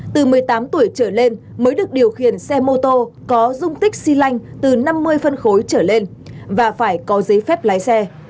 từ một mươi tám tuổi trở lên mới được điều khiển xe mô tô có dung tích xy lanh từ năm mươi phân khối trở lên và phải có giấy phép lái xe